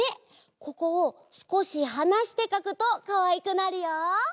ここをすこしはなしてかくとかわいくなるよ。